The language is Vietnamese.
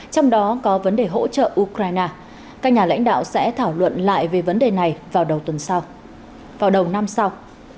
trong đó có vấn đề hỗ trợ ukraine các nhà lãnh đạo sẽ thảo luận lại về vấn đề này vào đầu năm sau